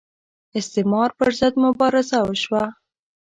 استعمار پر ضد مبارزه وشوه